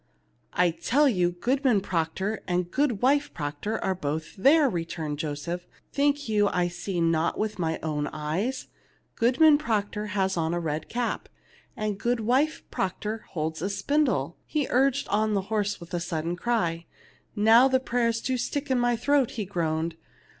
"I tell you, Goodman Proctor and Goodwife Proctor are both there," returned Joseph. "'Think you I see not with my own eyes ? Goodman Proctor has on a red cap, and Goodwife Proctor holds a spindle." He urged on the horse with a sudden cry. "Now the prayers do stick in my throat," he groaned.